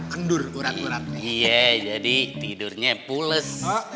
kendur urat urat iya jadi tidurnya pulas